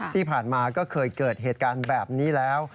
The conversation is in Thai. ที่ผ่านมาก็เคยเกิดเหตุการณ์แบบนี้แล้ว